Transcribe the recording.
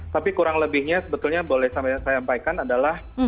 tapi kurang lebihnya sebetulnya boleh saya sampaikan adalah